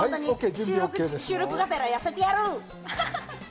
収録がてら痩せてやる！